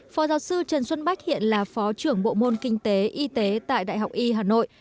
phó giáo sư trần xuân bách hiện là phó trưởng bộ môn kinh tế y tế tại đại học y hà nội